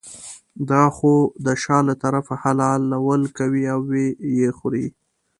دا خو د شا له طرفه حلالول کوي او یې خوري.